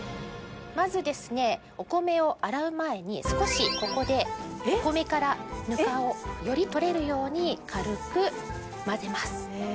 まずですねお米を洗う前に少しここでお米からぬかをより取れるように軽く混ぜます。